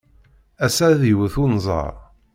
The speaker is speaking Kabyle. Ass-a, ad iwet unẓar.